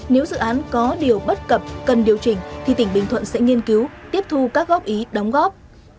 nếu dự án có điều bất cập cần điều chỉnh thì tỉnh bình thuận sẽ nghiên cứu tiếp thu các góp ý đóng góp